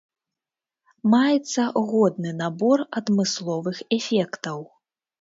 Маецца годны набор адмысловых эфектаў.